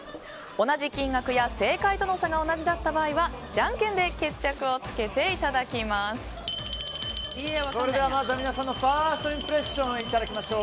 同じ金額や正解との差が同じだった場合はじゃんけんでそれでは皆さんのファーストインプレッションいただきましょう。